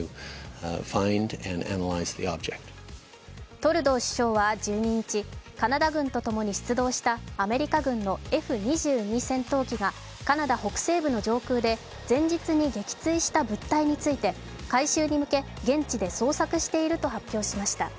トルドー首相は１２日カナダ軍とともに出動したアメリカ軍のＦ−２２戦闘機がカナダ北西部の上空で前日に撃墜した物体について回収に向け現地で捜索していると発表しました。